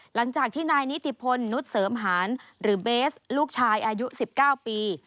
หลังจากที่นายนิติพลนุษยเสริมหารหรือเบสลูกชายอายุ๑๙ปี